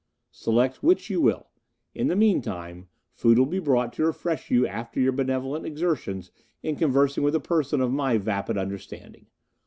Select which you will. In the meantime, food will be brought to refresh you after your benevolent exertions in conversing with a person of my vapid understanding.